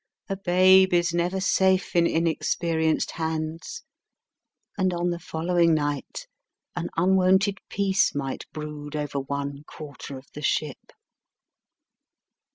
A babe is never safe in inexperienced hands, and on the following night an un wonted peace might brood over one quarter of the ship.